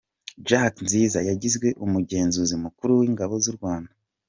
Jack Nziza yagizwe “Umugenzuzi Mukuru w’Ingabo z’u Rwanda”